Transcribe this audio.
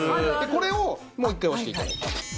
これをもう一回押して頂いて。